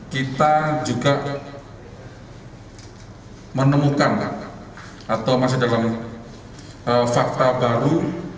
kita juga menemukan atau masih dalam fakta baru